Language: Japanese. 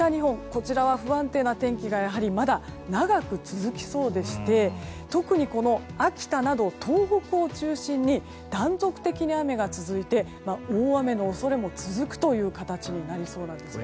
こちらは不安定な天気がまだ長く続きそうでして特に秋田など東北を中心に断続的に雨が続いて大雨の恐れも続くという形になりそうです。